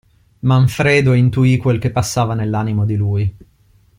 Manfredo intuì quel che passava nell'animo di lui.